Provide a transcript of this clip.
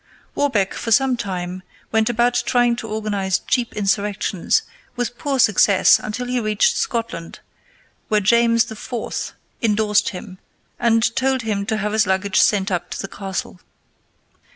Warbeck for some time went about trying to organize cheap insurrections, with poor success until he reached Scotland, where James IV. endorsed him, and told him to have his luggage sent up to the castle.